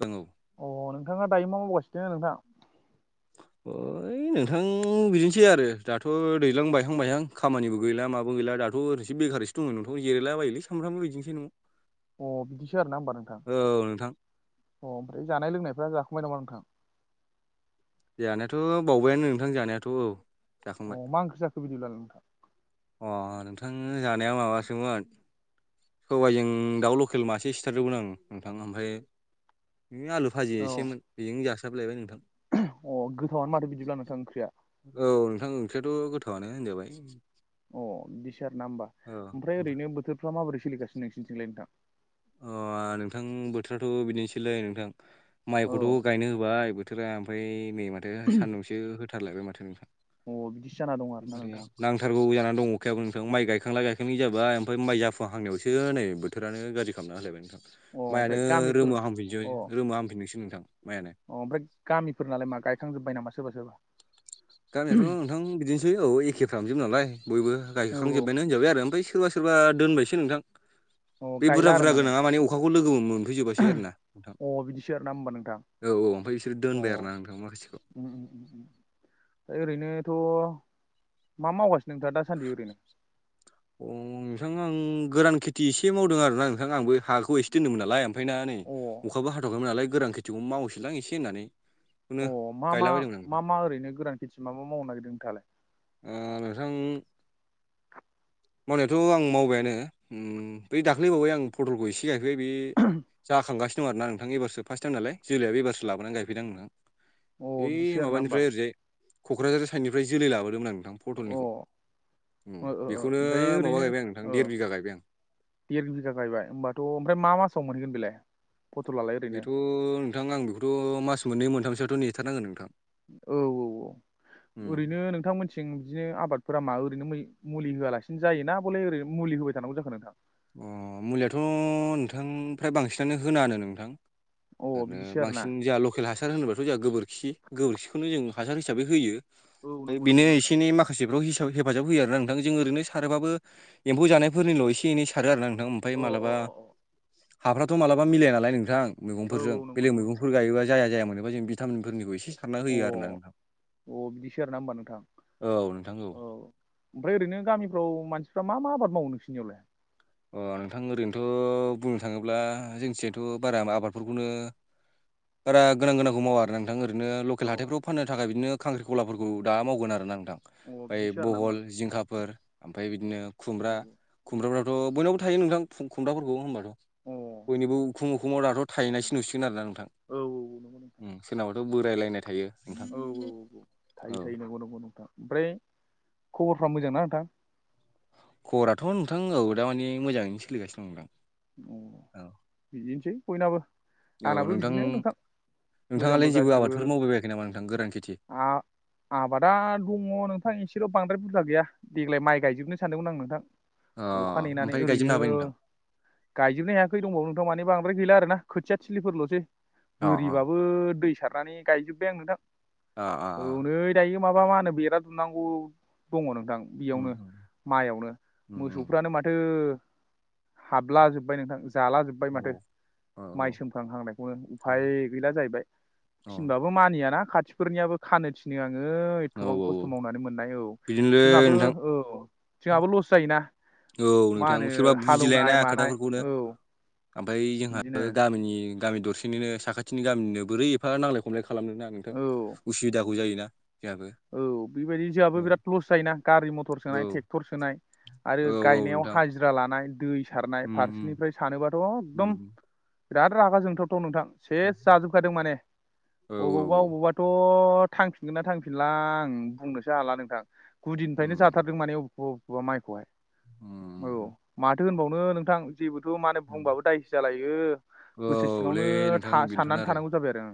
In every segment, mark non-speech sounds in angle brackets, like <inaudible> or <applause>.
औ अ नोंथाङा दायो मावगासिनो नोंथां ओइ है नोंथां बिदिनोसै आरो दाथ' दैज्लां बायहां बायहां खामानिबो गैला माबो गैला दाथ' ओरैसो बेखारैस दङ नोंथ' जिरलाबायोलै सामफ्रामबो बिदिनोसै न'आव अ बिदिसो आरोना होमबा नोंथां औ नोंथां अ ओमफ्राय जानाय लोंनायफ्रा जाखांबाय नामा नोंथां? जानायाथ' बावबायानो नोंथां जानायाथ' औ। अ जाखांबाय मा ओंख्रि जाखो बिदिब्ला नोंथां? अ नोंथां जानाया माबासोमोन सबाइजों दाउ लकेल मासे सिथारदोंमोन आं नोंथां ओमफाय है आलु भाजि औ एसेमोन बेजों जासाबलायबाय नोंथां अ गोथावानो माथो बिदिब्ला नोंथां ओंख्रिया। औ नोंथां ओंख्रियाथ' गोथावानो होनजाबाय। अ बिदिसो आरो ना होमबा औ ओमफ्राय ओरैनो बोथोरफ्रा माबोरै सोलिगासिनो नोंसिथिंलाय नोंथां अ नोंथां बोथोराथ' बिदिनोसैलै नोंथां औ माइखौथ' गायनो होबाय बोथोरा ओमफाय नै माथो सानदुंसो होथारलायबाय माथो नोंथां। अ बिदिसो जाना दं आरो ना मारै नोंथां नांथारगौ जानानै दङ अखायाबो नोंथां माइ गायखांला गायखांलि जाबाय ओमफाय माइ जाफुहांनायावसो नै बोथारानो गाज्रि खालामना होलायबाय नोंथां अ ओमफ्राय माइआनो गामिफोर रोमो अ हामफिनसै रोमो हामफिननोसै नोंथां माइआनो अ ओमफ्राय गामिफोर नालाय मा गायखां जोब्बाय नामा सोरबा सोरबा गामियाथ' नोंथां बिदिनोसै औ एखेफ्रामजोब नालाय बयबो औ गायखांजोबबायानो होनजाबाय आरो ओमफाय सोरबा सोरबा दोनबायसो नोंथां औ अ बे गायला बुरजा आरो बुरजा गोनाङा माने अखाखौ लोगोबो मोन फुजोबासै आरो ना नोंथां अ बिदिसो आरोना होमबा नोंथां औ औ ओमफाय बिसोर अ दोनबाय आरो ना नोंथां माखासेखौ। ओम ओम ओरैनोथ' मा मावगासिनो नोंथाङा दासान्दि ओरैनो? अ नोंथां आं गोरान खेथि एसे मावदों आरो ना नोंथां आंबो हाखौ एस दोनोमोन नालाय ओमफाय ना नै अ अखाबो हाथायाखैमोन नालाय गोरान खेथिखौ मावसैलां एसे होननानै अ बेखौनो मा मा गायलाबायदोंमोन मा मा ओरैनो गोरान खेथि मा मा मावनो नागिरदों नोंथाङालाय ओ नोंथां <inaudible> मावनायाथ' आं मावबायानो ओम बै दाख्लैबावै आं फटलखौ एसे फैयाखै बे जाखांगासिनो दं आरो ना नोंथां एबारसो फार्ट टाइम नालाय जोलैयाबो एबारसो लाबोनानै गायफैदां आं नों अ बै बिदिसो आरोना होमबा माबानिफ्राय अ ओरैजाय कक्राझार साइडनिफ्राय जोलै लाबोदोंमोन आं नोंथां ओ पटलनिखौ ओ बेखौनो ओमफ्राय माबा ओरैनो गायबाय आं नोंथां ओ देर बिघा गायबाय आं। देर बिगा गायबाय होमबाथ' ओमफ्राय मा मासाव मोनहैगोन बेलाय फथल लालाय बेथ नोंथां आं बेखौथ' मास मोननै मोनथामसोआथ' नेथारनांगोन नोंथां। औ औ औ उम ओरैनो नोंथांमोनथिं बिदिनो आबादफोरा मा ओरैनो मुलि होआलासिनो जायोना बले ओरै मुलि होबाय थानांगौ जाखो नोंथां। उम मुलियाथ' नोंथां फ्राय बांसिनानो होनाङानो नोंथां। अ ओरैनो बिदिसो आरोना बांसिन जोंहा लकेल हासार होनोबाथ' जोंहा गोबोरखि गोबोरखिखौनो जों हासार हिसाबै होयो। औ ओमफ्राय नंगौ बेनो नंगौ नोंथां एसे एनै माखासेफ्राव हिस हेफाजाब होयो आरो नोंथां जों ओरैनो सारोबाबो एम्फौ जानायफोरनिल' एसे एनै सारो आरो नों थां ओमफाय अ अ मालाबा अ अ हाफ्राथ' मालाबा मिलाया नालाय नोंथां। औ मैगंफोरजों औ नंगौ बेलेग नंगौ नोंथां मैगंफोर गायोबा जाया जाया मोनोबा जों भिटामिनफोरनिखौ एसे सारना अ होयो आरोना नोंथां अ बिदिसो आरोना होमबा नोंथां औ नोंथां औ। ओमफ्राय ओरैनो गामिफ्राव मानसिफ्रा मा मा आबाद मावो नोंसोरनियावलाय अ नोंथां ओरैनोथ' बुंनो थाङोब्ला जोंनिथिंजायथ' बारा आबादफोरखौनो बारा गोनां गोनांखौ मावा आरो नोंथां ओरैनो लकेल अ हाथाइफ्राव फाननो थाखाय बिदिनो खांख्रिखलाफोरखौ दा मावगोन आरो ना नोंथां अ ओमफ्राय बिदिसो आरोना होमबा बहल नोंथां जिंखाफोर ओमफाय बिदिनो खुमब्रा औ खुमब्राफ्राथ' बयनावबो थायो नोंथां खुमब्राफोरखौ होनबाथ' औ बयनिबो उखुम उखुमाव दाथ' थायनायसो नुसिगोन आरोना नोंथां अ औ नंगौ नोंथां उम सोरनाबाथ' बोरायलायनाय थायो नोंथां औ औ थायो औ थायो नंगौ नंगौ नोंथां ओमफ्राय खबरफ्रा मोजां ना नोंथां खबराथ' नोंथां औ दा मानि मोजाङैनो सोलिगासिनो दं दा अ बिदिनोसै बयनाबो औ औ आंनाबो बिदिनो नोंथां मोजांबो नोंथाङालाय जेबो गाज्रिबो आबादफोर मावबायबायाखै नामा नोंथां गोरान खेथि आ आबादा दङ नोंथां एसेल' बांद्राय बुरजा गैया देग्लाय माइ गायजोबनो सानदोंमोन आं नोंथां। अ अखा नेनानै ओमफ्राय गायजोबनो ओरैनो हाबाय नोंथां गायजोबनो हायाखै दंबावो नोंथां मानि बांद्राय गैला आरो ना खोथिया थिलिफोरल'सै अ अ बोरिबाबो दै सारनानै गायजोबबाय आं नोंथां अ औ अ नै दायो माबा मा होनो बेरा दुमनांगौ दङ नोंथां उम बेयावनो उम माइयावनो उम उम मोसौफ्रानो माथो हाबला जोबो जोबबाय नोंथां जाला जोबबाय माथो औ औ माइ औ सोम खांहांनायखौनो अ उफाय गैला जाहैबाय औ थिनबाबो मानियाना खाथिफोरनियाबो खानो थिनो आङो औ एथ'बां खस्थ' औ मावनानै मोननाय औ बिदिनोलै जोंहाबो नोंथां औ जोंहाबो लस जायोना औ मा नोंथां होनो सोरबा बुजिलायाना हालौनाय मानाय खोथाफोरखौनो औ आमफाय जोंहा बिदिनो गामिनि गामि दरसेनिनो साखाथिनि गामिनिनो बोरै एफा नांलाय खमलाय खालामनो ना नोंथां औ उसुबिदाखौ जायोना जोंहाबो औ बेबायदि जोंआबो औ बिराद लस जायोना गारि मथर सोनाय औ टेक्टर सोनाय आरो औ औ गायनायाव नोंथां हाजिरा लानाय दै सारनाय उम फारसेनिफ्राय सानोबाथ' एकदम उम बिराद रागा जोंथावथाव' नोंथां सेस उम जाजोबखादों माने औ औ अबावबा औ अबावबा थ' थांफिनगोन ना थांफिनला आं बुंनोसो हाला नोंथां गुदिनिफ्रायनो उम जाथारदों माने अबेखौबा अबेखौबा माइखौहाय औ उम माथो होनबावनो नोंथां जेबोथ' माने बुंबाबो दायसो जालायो गोसो औलै सिङावनो नोंथां था बेनोथ'नो साननानै थानांगौ जाबाय आरो।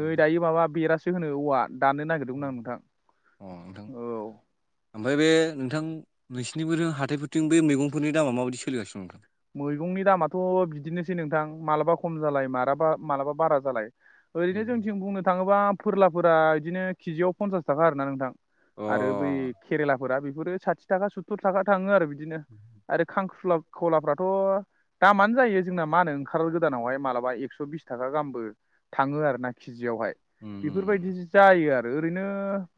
औ दायो माबा बेरासो होनो औवा दाननो नागिरदोंमोन आं नोंथां। औ अ नोंथां औ ओमफ्राय बे नोंथां नोंसिरनिबो हाथाइफोरथिं बे मैगंफोरनि दामा माबायदि सोलिगासिनों दं? मैगंनि दामाथ' बिदिनोसै नोंथां मालाबा खम जालाय मालाबा मालाबा बारा जालाय। ओरैनो नोंथां जोंनिथिं बुंनो थाङोबा फोरलाफोरा इदिनो किजियाव पनसास थाखा आरोना नोंथां आरो बै अ केरेलाफोरा बेफोरो साथि थाखा सुततुर थाखा थाङो आरो बि दिनो आरो खांखुला खलाफ्रा थ' दामानो जायो जोंना मा होनो ओंखार गोदानावहाय मालाबा एकस' बिस थाखा गाहामबो थाङो आरो ना किजियावहाय। बेफोरबायदि उम जायो आरो ओरैनो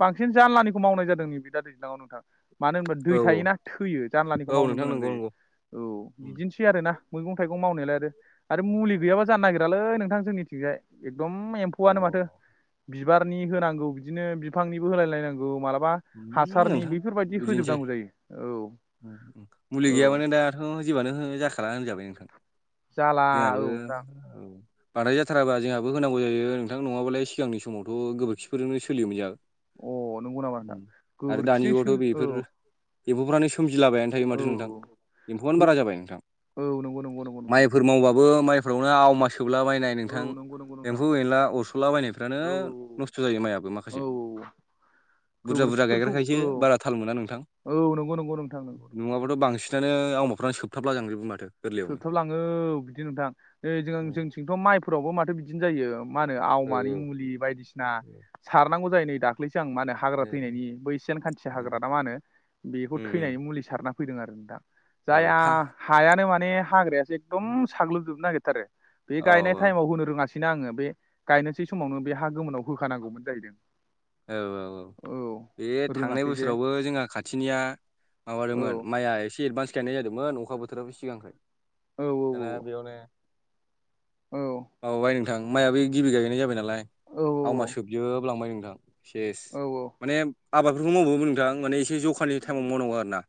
बांसिन जानलानिखौ मावनाय जादों नैबे दा दै दावनथार मानो होनबा दै औ औ थायोना थैयो जानलानिखौ औ मावनो नोंथां गोनां नंगौ जायो। नंगौ औ उम बिदिनो। सैआरो ना मैगं थाइगं मावनायलायआरो आरो मुलि गैयाबा जानो नागि दालै नोंथां जोंनिथिंजाय एकदम एम्फौआनो माथो बिबारनि होनांगौ बिदिनो बिफांनिबो होलाय लायनांगौ मालाबा उम हासारनि नोंथां बेफोरबायदि बिदिनोसै होजोबनांगौ जायो। औ औ दथ' जबानो जाखाला होनजाबाय नोंथां। जाला औ नोंथां जोंहाबो बानायजाथाराबा जोंहाबो होनांगौ जायो नोंथां नङाबालाय सिगांनि समावथ' गोबोरखिफोरजोंनो सोलियोमोन जोंहा अ नंगौ नामा नोंथां आरो दानि गोबोरखिजों सो जुगावथ' औ बेफोर एम्फौफ्रानो सोमजिलाबायानो औ माथो नोंथां एम्फौआनो बारा औ जाबाय नोंथां। औ नंगौ नंगौ नंगौ नोंथां माइफोर मावबबो माय फोरावनो आवमा सोबलाबायनाय औ नोंथां नंगौ नंगौ नोंथां एम्फौ एनला अरस'ला बायनायफ्रानो औ नस्थ' जायो माइयआबो औ माखासे औ बुरजा बुरजा गोबोरखिफोरखौ गायग्राखायसो औ बारा थाल मोना नोंथां औ नंगौ नंगौ नोंथां नंगौ नङाबाथ' बांसिनानो आवाफ्रानो सोबथाबला लांजोबो माथो गोरलैयावनो सोबथाबलाङो बिदि नोंथां जों उम जोंथिंथ' माइफोरावबो माथो बिदिनो जायो मा होनो औ आवमानि मुलि बायदिसिना सारनांगौ जायो नै दाख्लैसो आं मा होनो हाग्रा औ थैनायनि बै सान खान्थि उम हाग्रा ना मा होनो बेखौ उम थैनायनि मुलि सारना फैदों आरो दा औ जाया था हायानो माने हाग्रायासो एकदम साग्लोबजोबनो नागिरथारो बे औ गायनाय टाइमाव होनो रोङासैना आङो बे गायनोसै समावनो बे हा गोमोनाव होखानांगौमोन जाहैदों औ औ औ बे औ थांनाय रोङासै जे बोसोरावबो जोंहा खाथिनिया औ माबादोंमोन माइआ एसे एडभान्स गायनाय जादोंमोन अखा बोथोरावाबो सिगां औ दाना बेयावनो औ औ बाय नोंथां माइआ बेै गिबि गायैनाय जाबाय नालाय औ आवमा सोबजोबलांबाय नोंथां सेस। औ माने आबादफोरखौ मावबोन नोंथां माने एसे जखानि टाइमाव मावनांगौ आरो ना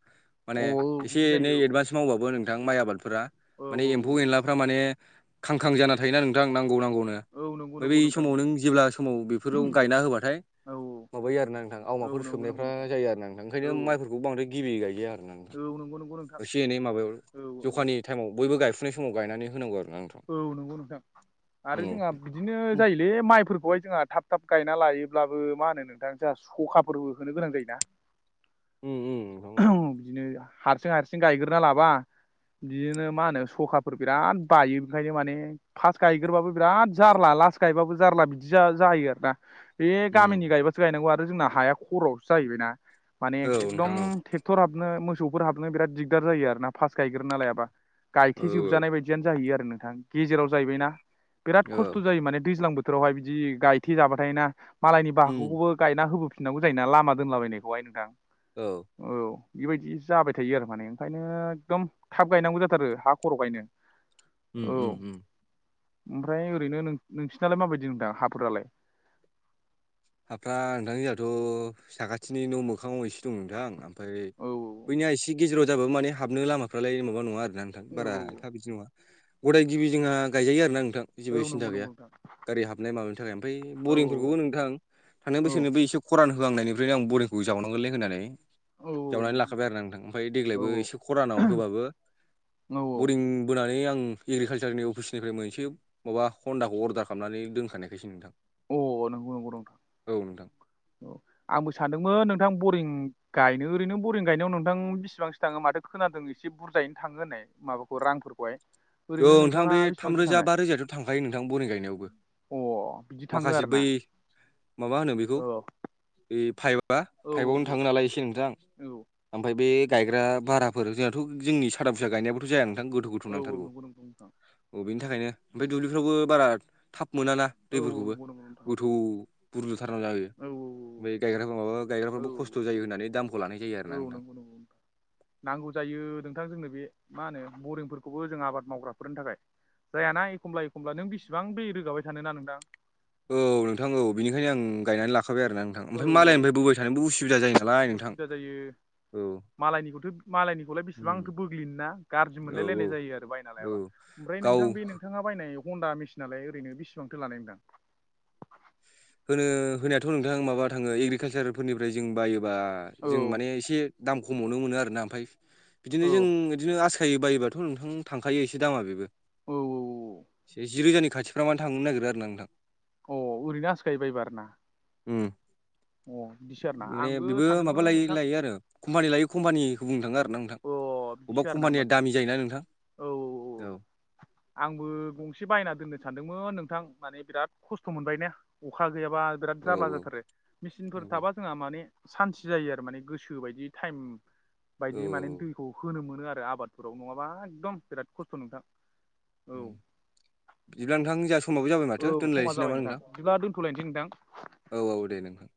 माने औ औ एसे बिदि एनै जायो औ एदभान्स मावबाबो नोंथां माइ आबादफोरा औ औ माने ए फौ औ एनलाफ्रा माने खांखां जाना थायोना नोंथां नांगौ नांगौनो औ नंगौ ओमफ्राय बै नंगौ नोंथां समाव नंगौ नों जेब्ला समाव बेफोराव गायना होबाथाय औ माबायो आरोना नोंथां औ आवमाफोर औ नंगौ नंगौ सोबनायफ्रा नोंथां जायो आरो नथां औ ओंखायनो माइफोरखौ बांद्राय गिबि गायजाया आरो औ नंगौ नंगौ नोंथां एसे एनै माबायाव औ जखानि टाइमाव बयबो गायफुनाय समाव गायनानै होनांगौ आरो ना औ नंगौ नोंथां आरो जोंहा बिदिनो उम जायोलै माइफोरखौहाय जोंहा थाब थाब गायना लायोब्लाबो मा होनो नोंथां जोंहा सखाफोरबो होनो गोनां जायोना उम उम नोंथां औ <unintelligible> बिदिनो हारसिं हारसिं गायग्रोना लाबा बिदिनो मा होनो सखाफोर बिराद बायो बेओंखायनो माने फार्स्ट गायग्रोबाबो बिराद जारला लास्ट गायबाबो जारला बिदि जायो आरोना बे उम गामिनि गायबासो गायनांगौ आरो जोंना हाया खर'आवसो जाहैबायना माने औ एकदम नोंथां औ टेक्टराबनो मोसफोर हाबनो बिराद दिगदार जायो आरो ना फास्स्ट गाय्रोना लायाबा औ गायथजोबजानाय बायदि। बिदियानो जाहैयो आरो नोंथां गेजेराव जाहैबायना बिराद औ औ खस्थ' जायो माने दैज्लां बोथ बोथोरावहाय बिदि गायथे जाबाथाना मालायनि उम बाहागखौबो गायना होबोफिनांगौ जाया लामा दोनलाबायनायखौहाय नोंथां। औ औ बेबायदि जाबाय थायो आरो माने ओंखायनो एकदम थाब गायनांगौ जाथारो हा खर' गायनो <inaudible> औ उम ओमफ्राय ओरैनो नोंसिनालाय माबायदि नोंथां हाफोरालाय हाफ्रा नोंथां जोंहाथ' साखाथिनि न' मोखाङाव एसे दं नोंथां ओमफ्राय औ बैनिया एसे गेजेराव जाबाबो माने हाबनो लामाफ्रालाय माबा नङा आरोना नोंथां औ बारा औ एफा बिदि नङा गदाय गिबि जोंहा गायजायो आरोना नोंथां। औ जेबो सिन्था नंगौ गैया नंगौ नोंथां गारि हाबनाय माबानि थाखाय ओमफ्राय औ बरिंफोरखौबो नोंथां। थांनाय औ बैसोरनोबो एसे खरान होआं नायनिफ्रायनो आं बरिंखौ जावनांगोनलै होननानै। औ औ जावनानै नंगौ लाखाबाय नोंथां आरो न आांथां ओमफ्राय औ देग्लायबो एसे खरानाव होबाबो। औ बरिं बोनानै आं। एग्रिकालसारनि अफिसनिफ्राय मोनसे माबा हन्दाखौ अर्डार खालामनानै दोनखानायखायसै नोंथां। अ नंगौ नंगौ नंथां। औ नोंथां। औ आंबो सानदोंमोन नोंथां बरिं। गायनो ओरैनो बरिं गायनायाव नोंथां बेसिबांसो थाङो माथो खोनादों एसे बुरजायैनो थाङो होननाय। माबाखौ रांफोरखौहाय। औ ओरैनो नोंथां नोंथाङा बे बेसेबांसिम थामरोजा थांनाय बा रोजायाथ' थांखायो नोंथां बरि गायनायावबो। अ बिदि थाङो माखासे आरो ना बै माबा होनो बेखौ औ बै फाइबार। बा औ फाइभआवनो थाङो नालाय एसे नोंथां। औ औ ओमफफ्राय बे गायग्रा भाराफोर जोंनााथ' जोंनि सादा फिसा गायनायाबोथ' जाया नोंथां गोथौ औ गोथौ औ नांथारगौ। नंगौ नंगौ नोंथां अ बेनि थाखायनो ओमफ्राय दुब्लिफ्रावबो बारा थाब मोनाना औ औ दैफोरखौबो। नंगौ नंगौ नोंथां गोथौ बुरजुथारना जायो। औ फ्राय गायग्राफोर माबा औ गायग्राफोराबो खस्थ' जायो होननानै दामखौ लानाय जायो औ आरो ना नोंथां। नंगौ नंगौ नोंथां नांगौ जायो नोंथां जोंनो बे मा होनो बरिंफोरखौबो जों आबाद मावग्राफोरनि थाखाय जायाना एखमब्ला एखमब्ला नों बिसिबां दै रोगाबाय थान ना नोंदां। औ नोंथां औ बेनिखायनो आं गायनानै लाखाबाय आरोना। नोंथां औ ओमफ्राय औ मालायनिफ्राय बाय थबो उसुबिदा जायो नालाय नोंथां उसुबिदा जायो औ। मालायनिखौथ' मालायनिखौलाय उम बेसेबांथो बोग्लिनोना गाज्रि औ औ मोनलायलायनाय जायो आरो बायना औ लायाबा ओमफ्राय गाव नोंथां बे नोंथां। नोंथाङा बायनाय हन्दा मेसिनालाय ओरैनो बेसेबांथो लानाय नोंथां। होनो होनायाथ' नोंथां माबा थाङो एग्रिकालसारफोरनिफ्राय जों बायोबा औ जों माने एसे दाम खमावनो मोनो आरोना ओमफ्राय औ बिदिनो जों बिदिनो आस फथायायो बायोबाथ' नोंथां थांखायो एसे दामा बेबो औ एसे जि रोजानि खाथि फोरमान थांनो नागिरो आरो नोंथां। अ ओरैनो हास्खायबाय बार ना? आरोना माने आंबो बेबो माबा सानदोंमोन लायो नोंथां लायो आरो। कम्पानि लायो क्पानिखौ बुं थाङो आरो ना आं। नोंथां अ बबेबा बिदिसो आरोना होमबा कम्पानिया नोंथां दामि जायोना नोंथां औ औ। आंबो गंसे बायना दोननो सानदोंमोन नोंथां माने बिराद खस्थ' मोनबाय ना। अखा गैयाबा। बिराद औ जाब्ला जाथारो औ मेसिनफोर थाबा जोंहा माने सान्त जायो आरो माने गोसो बायदि टाइम। औ बिदि माने दैखौ होनो मोनो आरो आबादफोराव नङाबा एकदम बिराद खस्थ' नोंथां। औ बिदिब्ला नोंथां ज समाबो जाबाय औ माथो समा दोनलायनोसै जाबाय नामा नोंथां? बिदिब्ला दोनथ'लायनोसै नोंथां औ औ दे नोंथां।